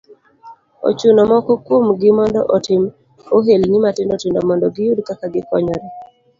Ochuno moko kuom gi mondo otim ohelni matindo tindo mondo giyud kaka gikonyore.